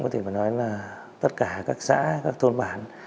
có thể phải nói là tất cả các xã các thôn bản